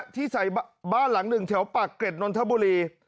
ที่ใส่บ้านหลังหนึ่งแถวปากเกร็ดนนทบุรี